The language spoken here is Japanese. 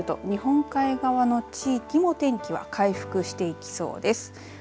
あすになると日本海側の地域も天気は回復していきそうです。